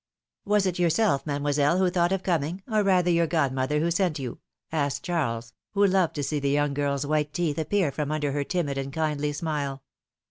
'^Was it yourself. Mademoiselle, who thought of com ing, or rather your godmother who sent you?'^ asked Charles, who loved to see the young girl's ^yhite teeth appear from under her timid and kindly smile.